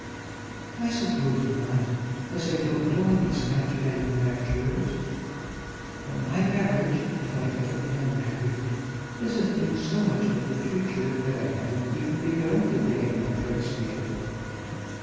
"I suppose not, as I don't know any Scotch manufacturers. But my marriage, if I ever am married, is a thing so much of the future that I haven't even begun to think of my dress yet."